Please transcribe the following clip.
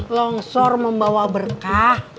longsor membawa berkah